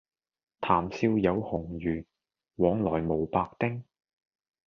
談笑有鴻儒，往來無白丁